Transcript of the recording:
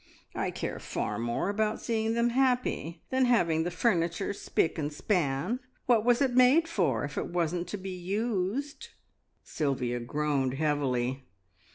I care far more about seeing them happy, than having the furniture spick and span. What was it made for, if it wasn't to be used?" Sylvia groaned heavily.